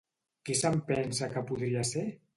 Qui se'n pensa que podria ser?